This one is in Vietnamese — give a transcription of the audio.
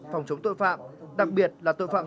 phòng chống tội phạm đặc biệt là tội phạm